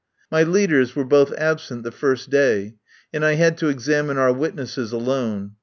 « My leaders were both absent the first day, and I had to examine our witnesses alone.